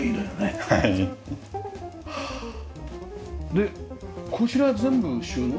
でこちらは全部収納？